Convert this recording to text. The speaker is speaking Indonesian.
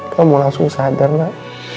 kamu langsung sadar nak